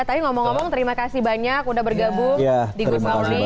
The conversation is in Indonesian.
tapi ngomong ngomong terima kasih banyak sudah bergabung di good morning